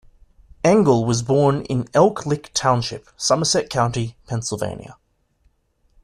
Engle was born in Elk Lick Township, Somerset County, Pennsylvania.